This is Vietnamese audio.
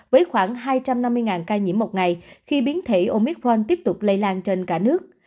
với khoảng hai trăm năm mươi ca nhiễm một ngày khi biến thể omicron tiếp tục lây lan trên cả nước